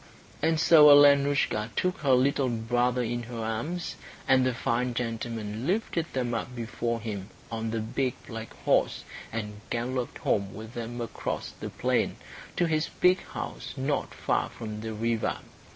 And so Alenoushka took her little brother in her arms, and the fine gentleman lifted them up before him on the big black horse, and galloped home with them across the plain to his big house not far from the river.